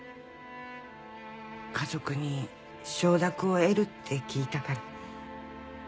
家族に承諾を得るって聞いたから。